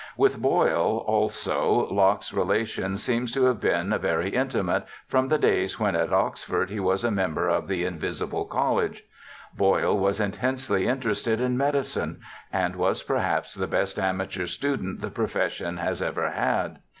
* With Boyle, also, Locke's relations seem to have been very intimate from the days when at Oxford he was a member of the ' invisible college '. Boyle was intensely interested in medicine, and was perhaps the best amateur student the profession has ever had.